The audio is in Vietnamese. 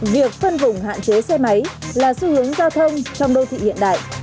việc phân vùng hạn chế xe máy là xu hướng giao thông trong đô thị hiện đại